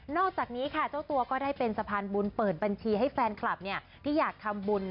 อกจากนี้ค่ะเจ้าตัวก็ได้เป็นสะพานบุญเปิดบัญชีให้แฟนคลับที่อยากทำบุญ